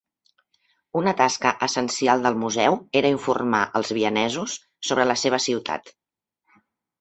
Una tasca essencial del museu era informar els vienesos sobre la seva ciutat.